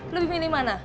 lebih milih mana